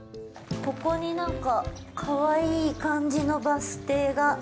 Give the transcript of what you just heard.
ここに、なんか、かわいい感じのバス停が。